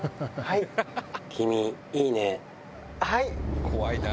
はい？